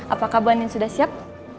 apakah bu andin sudah siap